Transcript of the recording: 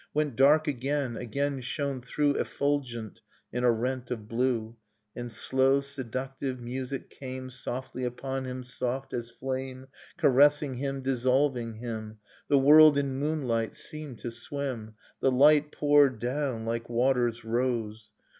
Went dark again, again shone through Effulgent in a rent of blue; And slow seductive music came Softly upon him, soft as flame. Caressing him, dissolving him; The world in moonlight seemed to swim; The light poured down, like waters rose.